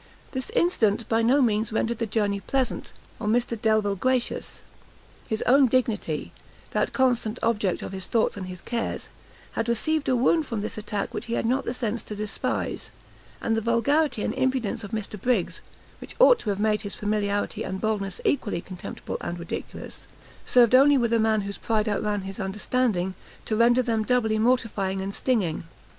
This incident by no means rendered the journey pleasant, or Mr Delvile gracious; his own dignity, that constant object of his thoughts and his cares, had received a wound from this attack which he had not the sense to despise; and the vulgarity and impudence of Mr Briggs, which ought to have made his familiarity and boldness equally contemptible and ridiculous, served only with a man whose pride out ran his understanding, to render them doubly mortifying and stinging.